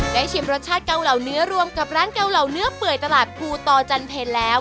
ชิมรสชาติเกาเหล่าเนื้อรวมกับร้านเกาเหล่าเนื้อเปื่อยตลาดภูตอจันเพลแล้ว